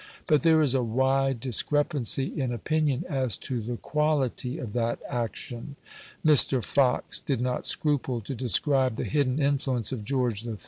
But there is a wide discrepancy in opinion as to the quality of that action. Mr. Fox did not scruple to describe the hidden influence of George III.